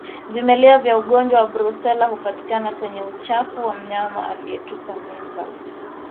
Vimelea vya ugonjwa wa Brusela hupatikana kwenye uchafu wa mnyama aliyetupa mimba